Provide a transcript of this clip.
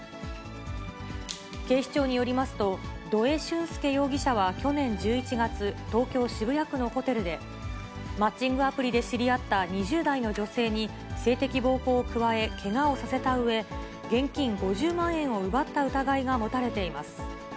警視庁によりますと、土江俊輔容疑者は去年１１月、東京・渋谷区のホテルで、マッチングアプリで知り合った２０代の女性に、性的暴行を加え、けがをさせたうえ、現金５０万円を奪った疑いが持たれています。